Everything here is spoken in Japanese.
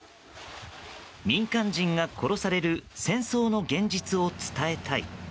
民間人が殺される戦争の現実を伝えたい。